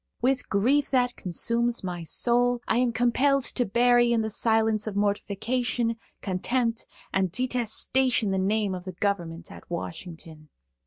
With grief that consumes my soul, I am compelled to bury in the silence of mortification, contempt and detestation the name of the government at Washington.